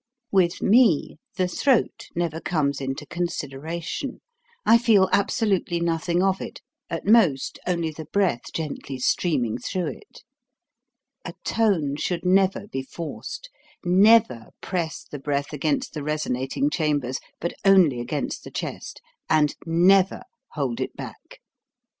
With me the throat never comes into con sideration; I feel absolutely nothing of it, at most only the breath gently streaming through it. A tone should never be forced; never press the breath against the resonating chambers, but only against the chest; and NEVER hold it back.